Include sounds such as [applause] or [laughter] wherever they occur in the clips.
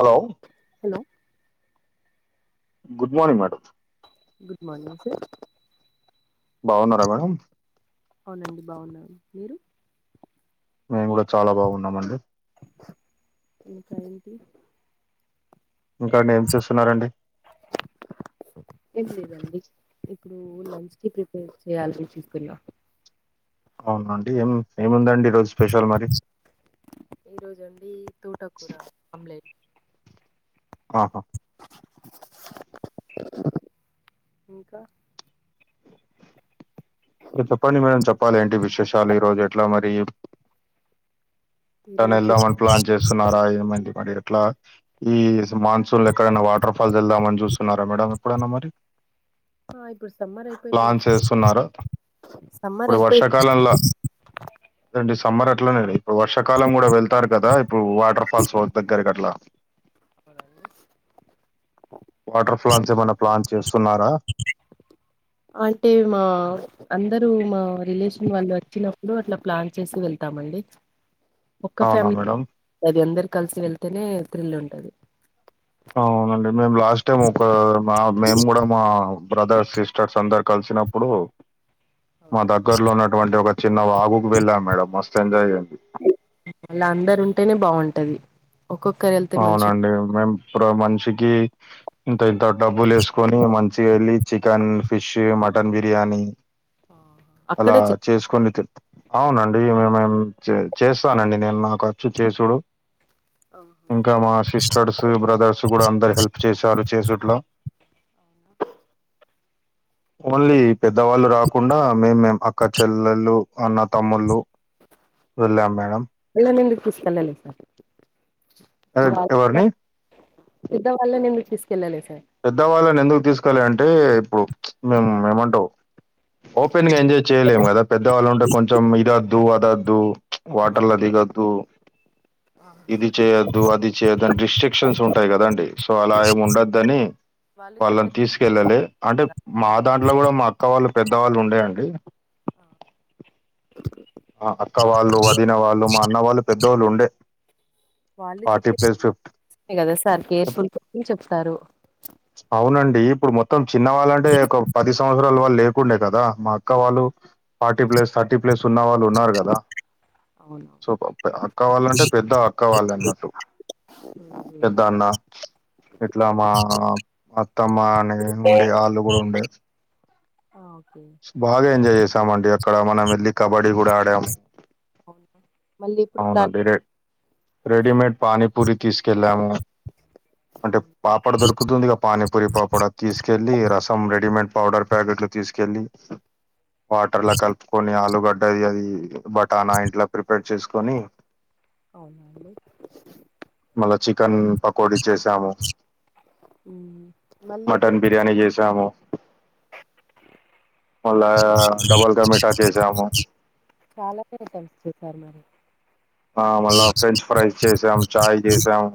Hello hello good morning madam. Good morning sir బాగున్నారా madam? అవునండి బాగున్నామ్. మీరు? మేము కూడ చాలా బాగున్నామండి. ఇంకా ఏంటి? ఇంకా అండి ఏం చూస్తున్నారండి ఏం లేదండి. ఇప్పుడు లంచ్ కి ప్రిపేర్ చేయాలని చూసున్నా. అవునా అండి! ఏం ఏముందండి ఈ రోజు స్పెషల్ మరి? ఈ రోజ అండి తోటకూర ఆమ్లెట్ ఆహా ఇంకా చెప్పండి మేడం చెప్పాలి ఏంటి విశేషాలు ఈ రోజు ఎట్లా మరి? ఈ ఎట్టన రోజు వెళ్దామని ప్లాన్ చేస్తున్నారా? ఏమైంది మరి ఎట్లా? ఈ మాన్సూన్ లో ఎక్కడైనా వాటర్ ఫాల్స్ వెళ్దామని చూస్తున్నారా మేడ ఎప్పుడైనా మరి? ఆ ఇప్పుడు సమ్మర్ అయిపోయింది ప్లాన్ కదా చేస్తున్నార? సమ్మర్ ఇప్పుడు వర్ష అయిపోయి కాలంలో, అండి సమ్మర్ అట్లనే ఇప్పుడు వర్ష కాలం కూడా వెళ్తారు కదా ఇప్పుడు వాటర్ ఫాల్స్ దగ్గరకి అట్ల వాటర్ ఫాల్న్స్ ఏమైనా ప్లాన్ చేస్తున్నారా? అంటే మా అందరు మా రిలేషన్ వాళ్ళు వచ్చినప్పుడు అట్లా ప్లాన్ చేసి వెళ్తామండి ఒక్క అవునా ఫ్యామిలీ మేడం అది అందరు కలిసి వెళ్తేనే థ్రిల్ ఉంటది అవునండి మేము లాస్ట్ టైం ఒక మా మేము కూడ మా బ్రదర్స్ సిస్టర్స్ అందరు కలిసినప్పుడు మా దగ్గర్లో ఉన్నటువంటి ఒక చిన్న వాగుకు వెళ్ళాం మేడం మస్తు ఎంజాయ్ చేయండి అళ్ళ అందరు ఉంటేనే బాగుంటది ఒక్కొక్కరు వెళ్ అవునండి మేము ఇప్పుడు మనిషికి ఇంత ఇంత డబ్బులు వేసుకొని మంచిగ వెళ్ళి చికెన్ ఫిష్ మటన్ బిర్యానీ అ అలా చేసుకొని అవునండి మేమే చేస్తానండి నేను నా [unintelligible] చేసుడు ఇంకా మా వాళ్ళని సిస్టర్స్ బ్రదర్స్ కూడ అందరు హెల్ప్ చేశారు చేసుట్లో ఓన్లీ పెద్దవాళ్ళు రాకుండ మేము మే అక్క చెల్లెళ్ళలు అన్న తమ్ముళ్ళు వెళ్ళాం మేడం పిల్లనేందుకు తీసుకెళ్లలే అదే సార్ ఎవరిని పెద్ద వాళ్ళని ఎందుకు తీసుకెళ్ళాలే సార్ పెద్దవాళ్ళని ఎందుకు తీసుకోవా [unintelligible] అంటే ఇప్పుడు మేము ఏమంటావు ఓపెన్ గా ఎంజాయ్ చేయలేము కదా పెద్దవాళ్ళు ఉంటే కొంచెం ఇది వద్దు ఇది అద్దు వాటర్ల దిగ్గదు ఇది చేయొద్దు అది చేయొద్దు అని రిస్ట్రిక్షన్స్ ఉంటాయి కదండి సో అలా ఏమి ఉండద్దదుని వాళ్ళు చెప్పే వాళ్ళని తీసుకెళ్ళాలే అంటే మా దాంట్లో కూడా మా అక్క వాళ్ళు పెద్దవాళ్ళు ఉండేయండి ఆ అక్క వాళ్ళు వదిన వాళ్ళు మా అన్న వాళ్ళు పెద్దోళ్ళు ఉండే వాళ్ళు ఫార్టీ [unintelligible] ప్లస్ ఫిఫ్టీ కదా సార్ కేర్ఫుల్ కోని చెప్తారు అవునండి ఇప్పుడు మొత్తం చిన్నవాళ్ళంటే ఒక పది సంవ [unintelligible] రాలు వాళ్ళు లేకుండే కదా మా అక్క వాళ్ళు ఫార్టీ ప్లస్ థర్టీ ప్లస్ ఉన్న వాళ్ళు ఉన్నారు కదా అవును సో అక్క వాళ్ళంటే పెద్ద అక్క వాళ్ళు అన్నట్టు పెద్ద అన్న ఇట్లా మా అత్తమ్మ అని ఉండే వాళ్ళు కూడ ఉండే [unintelligible] బాగ ఎంజాయ్ చేసామ అండి అక్కడ మనం వెళ్ళలి కబడ్డీ కూడా ఆడాం అ అవునండి రె రెడీమేడ్ పానీపూరి తీసుకెళ్ళాము అంటే అవును పాపడ దొరుకుతుంది ఇ పానీపూరి పాపడ తీసుకెళ్ళలి రసం రెడీమేడ్ పౌడర్ ప్యాకెట్లు తీసుకెళ్లి వాటర్ల కలుపుకొని ఆలుగ ది అది బటాన ఆ ఇంట్లో ప్రిపేర్ చేసుకొని అవునాండి మళ్ళా చికెన్ పకోడి చేసాము మళ్ళీ ఇప్పుడు మటన్ బిర్యానీ చేసాము మళ్ళా డబల్ కమిఠా చేసాము [unintelligible] ఆ మళ్ళ ఫ్రెంచ్ ఫ్రైస్ చేసాం చాయ్ చేసాము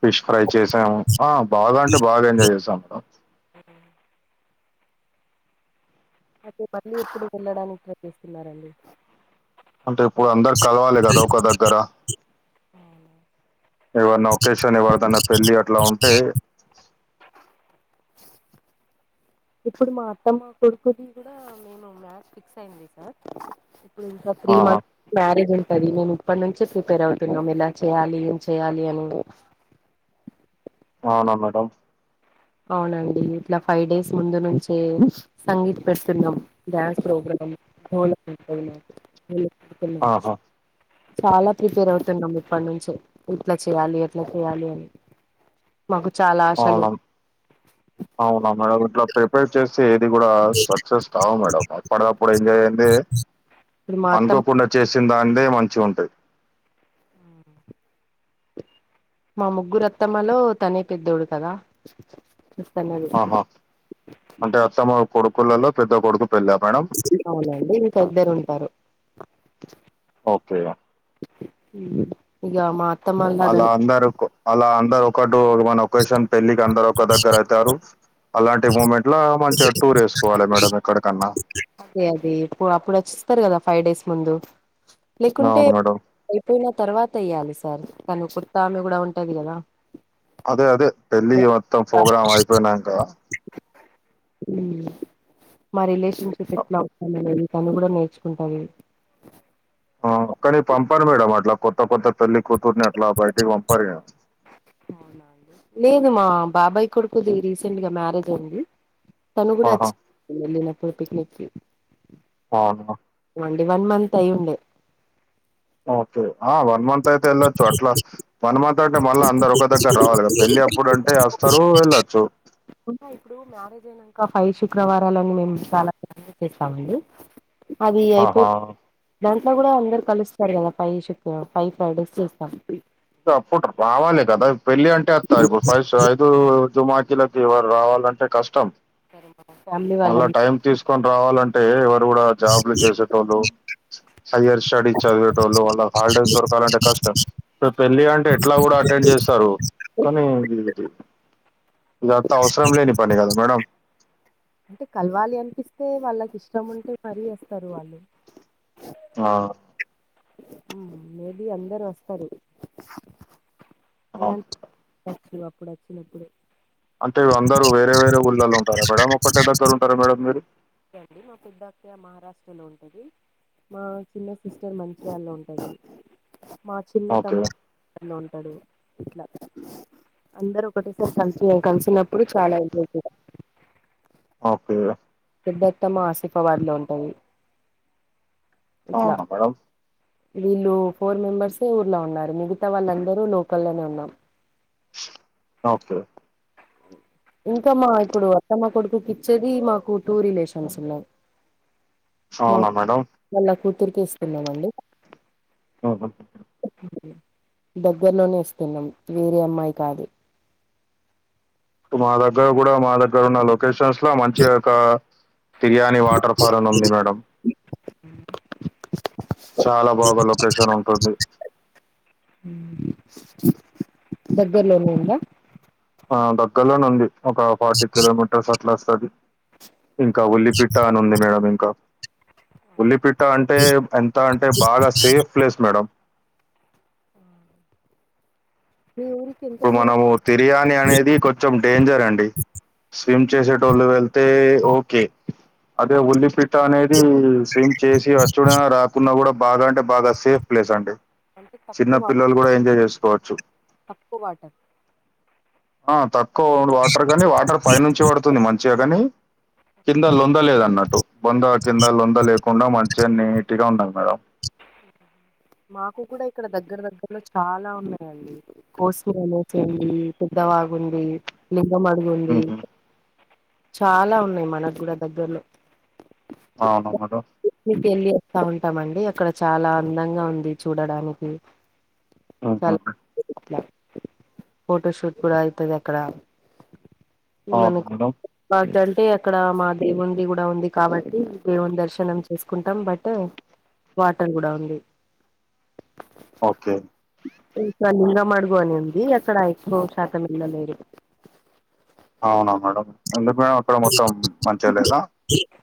ఫిష్ ఫ్రై చేశాం అ బాగ అంటే బాగ ఎంజాయ్ చేశాం మ అ అయితే మళ్ళీ ఎప్పుడు వెళ్ళడానికి ప్రయత్నిస్తున్నారండి అంటే ఇప్పుడు అందరు కలవాలి కదా ఒక దగ్గర ఎవర్ని ఒకేషన్ ఎవరిదన్నా పెళ్లి అట్లా ఉంటే ఇప్పుడు మా అత్తమ్మ కొడుకుది కూడా మేము మ్యాథ్ ఫిక్స్ అయింది సార్ ఈ ఆహా మంత్ మ్యారేజ్ ఉంటంది మేము ఇప్పటి నుంచే ప్రిపేర్ అవుతున్నాం ఇలా చేయాలి ఏం చేయాలి అని అవున మేడం అవునండి ఇట్ల ఫైవ్ డేస్ ముందు నుంచే సంగీత్ ప్రసంగం డాన్స్ ప్రోగ్రాం [unintelligible] [inaudible] ఆహా చాలా ప్రిపేర్ అవుతున్నాము ఇప్పటి నుంచే ఎట్ల చెయాలి ఎట్ల చెయాలి అని మాకు చాల ఆశలు అవునా అవునా మేడం ఇట్ల ప్రిపేర్ చేస్తే ఏది కూడ సక్సెస్ కావు మేడం ప అప్పుడయితె ఇప్పుడు మా అత్తమ్మ అనుకోకుండ చేసిన దానిదే మంచి ఉంటుంది మా ముగ్గురత్తమ్మలో తనే పెద్దోడు కదా చూస్తున్నది ఆహా అంటే అత్తమ కొడుకులలో పెద్ద కొడుకు పెళ్ళ మేడం అవునండి ఇంకిద్దరు ఉంటారు ఓకే న ఇక మా అత్తమ్మా అలా అందరు అలా అందరు ఒకటి మన ఒకేషన్ పెళ్ళికి అందరు ఒక దగ్గర అవుతారు అలాంటి మూమెంట్లా మంచిగా టూర్ వేసుకోవాలి మేడం ఎక్కడికన్నా అదే అదే ఇప్పుడు అప్పుడు వస్తారు కదా ఫైవ్ డేస్ ముందు లేకుంటే అవును మేడం. అయిపోయిన తర్వాత ఇయ్యాలి సార్ తను కుర్తా ఆమె కూడ ఉంటది కదా అదే అదే ఢిల్లీ మొత్తం ప్రోగ్రామ్ అయిపోయినాక మా రిలేషన్షిప్ సెటిల్ అవుతనేది తను కూడ నేర్చుకుంటాంది ఆ కనీ పంపరు మేడం అట్ల కొత్త కొత్త పెల్లి కూతుర్ని అట్ల బయటికి పంపారు లేదు మా బాబాయ్ కొడుకుది రీసెంట్ గా మ్యారేజ్ అయింది తను కూడ ఆహా! వచ్చి అవును వండి వన్ మంత్ అయి ఉంది ఓకే ఆ వన్ మంత్ అయితే ఎల అట్ల మన మాత్రం అంటే మళ్ళా అందరు ఒక దగ్గర రావాలి పెళ్ళి అప్పుడు అంటే వస్తారు వెళ్ళొచ్చు ఉన్నా ఇప్పుడు మ్యారేజ్ అయినాక ఫైవ్ శుక్రవారాలన్న మేము చాలా చేస్తామండి అది ఆహా! అయిపోయి దాంట్లో కూడా అందరు కలుస్తారు కదా ఫై చెప్ప ఫైవ్ ఫ్రైడేస్ చూత్తానికి అప్పుడు రావాలి కదా పెళ్లి అంటే వస్తారు ఇప్పుడు ఫైట్ ఐదుు వారు రావాలంటే కష్టం ఫ్యామిలీ మళ్ళా వాళ్ళం టైం తీసు కొని రావాలంటే ఎవరు కూడ జాబ్లు చేసేటోళ్ళు హయ్యర్ స్టడీ చదివే వోళ్ళు వాళ్ళ హాలిడేస్ దొరకాలంటే కష్టం పెళ్ళి అంటే ఎట్ల కూడా అటెండ్ చేస్తారు కానీ ఇదంత అవసరం లేని పని కద మేడం అంటే కలవాలి అనిపిస్తే వాళ్ళకి ఇష్టం ఉంటే మరీ వస్తారు వాళ్ళు ఆ ఉమ్ మేబి అందరు వస్తారు అవును. అలాంటి వచ్చినప్పుడు వచ్చినప్పుడు అంటే అందరు వేరే వేరే ఊళ్ళలో ఉంటార మేడం ఒక్కటె దగ్గరా ఉంటార మేడం మీరు ఉండే అండి మా పెద్ద అక్క మహారాష్ట్ర లో ఉంటది మా చిన్న సిస్టర్ మంచిర్యాలలో ఉంటది మా చిన్న ఓకే తమ్ము లో ఉంటాడు ఇట్లా అందరు ఒకటేసారి కలిసి కలిసి ఉన్నప్పుడు చాలా ఎంజాయ్ ఓకే పెద్ద అత్తమ్మ ఆసిఫాబాద్ లో ఉంటది ఇట్లా అవునా మేడం వీళ్ళు ఫోర్ మెంబర్సే ఊర్లో ఉన్నారు మిగతా వాళ్ళందరూ లోకల్ లోనే ఉన్నాం ఒకే ఇంకా మా ఇప్పుడు అత్తమ్మ కొడుకుకి ఇచ్చేది మాకు టూ రిలేషన్స్ ఉన్నాయి అవునా మేడం వాళ్ళా కూతురికే ఇస్తున్నాం అండి ఆహ దగ్గర్లోనే ఇస్తున్నాం వేరే అమ్మాయి కాదు మా దగ్గర కూడా మా దగ్గర ఉన్న లొకేషన్స్ లా మంచి ఒక తిర్యానీ వాటర్ ఫాల్ అని ఉంది మేడం చాలా బాగా లొకేషన్ ఉంటుంది ఉ దగ్గరలోనే ఉందా ఆ దగ్గర్లోనే ఉంది ఒక ఫార్టీ కిలోమీటర్స్ అట్లా వస్తది ఇంకా ఉల్లిపిట్ట అని ఉంది మేడం ఇంకా ఉల్లిపిట్ట ట్ట అంటే ఎంత అంటే బాగా సేఫ్ ప్లేస్ మేడం ఆవునా ఇప్పుడు మనము తిర్యానీ అనేది కొంచెం డేంజర్ అండి స్విమ్ చేసేటోళ్ళు వెళ్తే ఓకే అదే ఉల్లిపిట్ట అనేది స్విమ్ చేసి వచ్చుడ రాకుండా కూడా బాగా అంటే బాగా సేఫ్ ప్లేస్ అండి అంటే చిన్న తక్కువ పిల్లలు కూడా ఎంజాయ్ చేసుకోవచ్చు తక్కువ వాటర్ ఆ తక్కువ వాటర్ కాని వాటర్ పై నుంచి పడుతుంది మంచిగా కాని కింద లొంద లేదన్నట్టు బొంద కింద లొంద లేకుండా మంచిగా నీటిగా ఉండాది మేడం మాకు కూడా ఇక్కడ దగ్గర దగ్గరలో చాలా ఉన్నాయండి కోశమనేనే చేయి పెద్ద వాగుంది లింగ మడుగు ఉంది మ్మ్. చాలా ఉన్నాయి మనకు కూడా దగ్గర్లో అవునా మేడం పిక్నిక్ వెళ్ళి వస్తా ఉంటామండి అక్కడ చాలా అందంగా ఉంది చూడడానికి ఆహ ఫోటో షూట్ కూడా అయతది అక్కడ అవునా మనకు మేడం లాడ్జ్ అంటే అక్కడ మా దేవుంది కూడా ఉంది కాబట్టి దేవుని దర్శనం చేసుకుంటాం బట్ వాటర్ కూడా ఉంది ఓకే ఇంకా లింగ మడగు అని ఉంది అక్కడ ఎక్కువ శాతం వెళ్ళలేరు అవునా మేడం ఎందుకు మేడం అక్కడ మొత్తం మంచిగా లేదా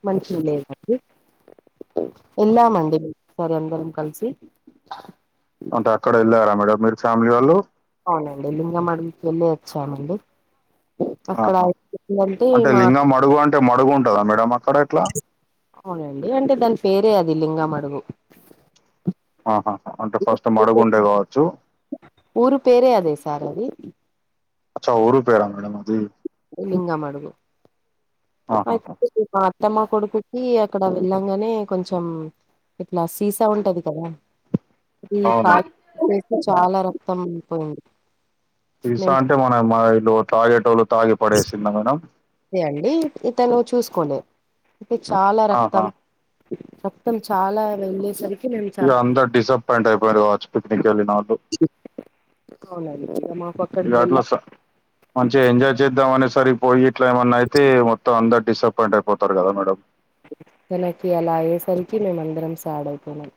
మనుషిలేరండి ఉన్నామండి మేం సరి అందరం కలిసి అంటే అక్కడ వెళ్ళారా మేడం మీరు చామియాలో అవునండి ఈ లింగ మడికెలి తెచ్చామండి ఆహా అంటే లింగం మడుగు అంటే మడుగు ఉంటదా మేడమ్ అక్కడ ఎట్లా అవునండి అంటే దాని పేరే అది లింగామడుగు ఆహా అంటే ఫస్ట్ మడుగుండే కావచ్చు ఊరు పేరే అదే సార్ అది అచ్చా ఊరు పేరా మేడం అది లింగ మడుగు ఆయ్ ఆహాహా! పో మా అత్తమ్మ కొడుకుకి అక్కడ వెళ్ళంగానే కొంచెం ఇట్లా సీసా ఉంటది కదా ఈ అవునా! పాపకి కూడా చాలా రక్తం పోయింది సిసా మేము అంటే మనం మా ఈలు తాగెటోలు తాగి పడేసింరా మేడం అయితే అండి ఇతను చూసుకోలేదు అయితే చాలా రక్తం ఆహా! రక్తం చాలా వెళ్ళేసరికి మేము ఇక చాలా అందరు డిసప్పాయింట్ అయిపోయారు కావచ్చు పిక్నిక్ వెళిన వాళ్ళు అవునండి ఇక మాకు ఇగ అక్కడికి వెళ్ళ అట్లా స మంచిగా ఎంజాయ్ చేద్దాం అనేసరికి పోయి ఇట్లా ఏమన్నా అయితే మొత్తం అందరు డిసప్పాయింట్ అయిపోతారు కదా మేడం తనకి అలా అయ్యేసరికి మేము అందరం సాడ్ అయిపోయినం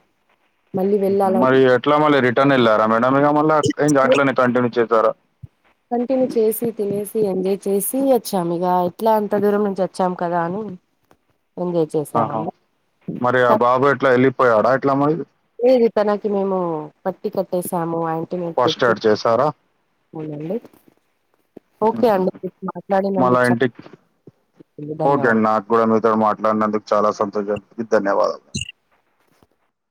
మరి ఎట్లా మళ్ళీ రిటర్న్ వెళ్ళారా మేడం ఇక అట్లనే కంటిన్యూ చేశారా కంటిన్యూ చేసి తినేసి ఎంజాయ్ చేసి వచ్చాం ఇక ఎట్లా ఎంత దూరం నుంచి వచ్చాం కదా అని ఎంజాయ్ ఆహా చేసామండి మరి ఆ బాబు ఎట్లా వెళ్ళిపోయాడా ఎట్లా మరి ఏది తనకి మేము పట్టి కట్టేసాము అండ్ టి మెంట్ ఫస్ట్ పెట్టి ఎయిడ్ చేసారా? అవునండి ఓకే హుహు. అండి మీరు మళ్ళా మాట్లాడినందుకు ఇంటికి చాలా ఓకే అండి ధన్యవాదాలు నాకు కూడా మీతో మాట్లాడినందుకు చాలా సంతోషం కి ధన్యవాదాలు